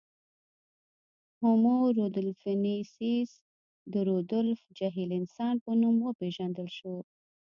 هومو رودولفنسیس د رودولف جهیل انسان په نوم وپېژندل شو.